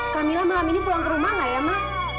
kamila malam ini pulang ke rumah nggak ya ma